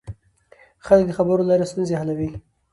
خلک د خبرو له لارې ستونزې حلوي